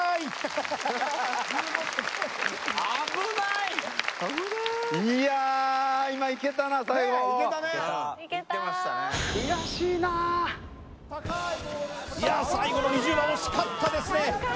いや最後の２０番惜しかったですね